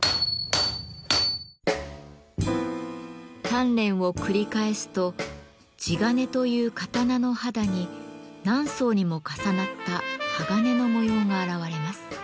鍛錬を繰り返すと地鉄という刀の肌に何層にも重なった鋼の模様が現れます。